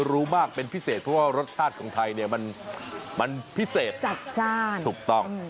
ถูกต้องก็ต้องแช่ก่อน